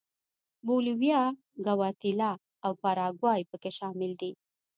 بولیویا، ګواتیلا او پاراګوای په کې شامل دي.